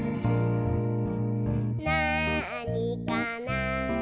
「なあにかな？」